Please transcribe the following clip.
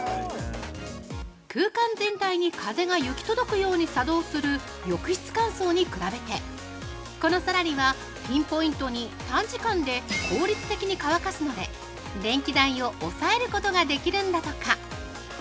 空間全体に風が行き届くように作動する浴室乾燥に比べて、このサラリは、ピンポイントに短時間で効率的に乾かすので電気代を抑えることができるんだとか。